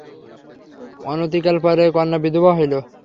অনতিকাল পরে কন্যা বিধবা হইল।